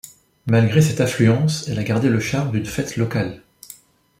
Malgré cette affluence, elle a gardé le charme d'une fête locale.